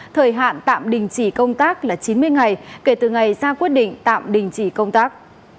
thời hạn tạm đình chỉ công tác là chín mươi ngày kể từ ngày ra quyết định tạm đình chỉ công tác